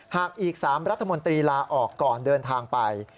หากอีก๓รัฐมนตรีลาออกก่อนเดินทางไป